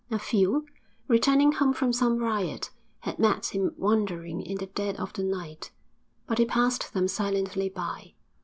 A few, returning home from some riot, had met him wandering in the dead of the night, but he passed them silently by.